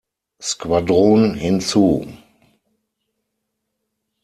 Squadron" hinzu.